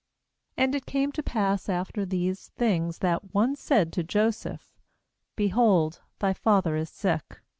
AQ And it came to pass after these things, that one said to Joseph: 'Behold, thy father is sick.'